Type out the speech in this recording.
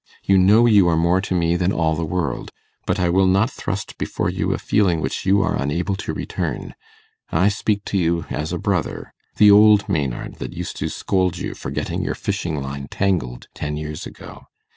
You know you are more to me than all the world; but I will not thrust before you a feeling which you are unable to return. I speak to you as a brother the old Maynard that used to scold you for getting your fishing line tangled ten years ago.